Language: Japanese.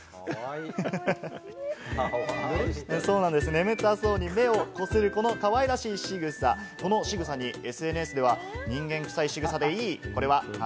眠たそうに目をこする、このかわいらしいしぐさ、このしぐさにＳＮＳでは、人間くさいしぐさでいい。